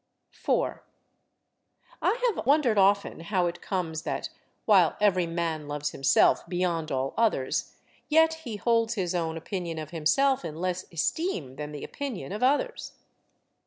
4. I have wondered often how it comes that, while every man loves himself beyond all others, yet he holds his own opinion of himself in less esteem than the opinion of others.